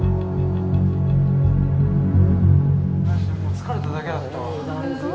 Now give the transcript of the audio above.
疲れただけだけど。